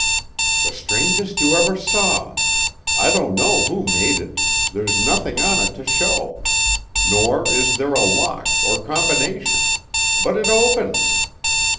"The strangest you ever saw. I don't know who made it. There's nothing on it to show. Nor is there a lock or combination. But it opens.